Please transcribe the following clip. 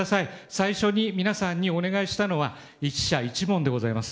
最初に皆さんにお願いしたのは１社１問でございます。